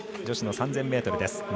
女子の３０００ｍです。